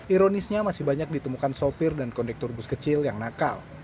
ironisnya masih banyak ditemukan sopir dan kondektur bus kecil yang nakal